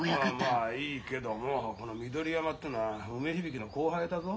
まあいいけどもこの緑山ってのは梅響の後輩だぞ。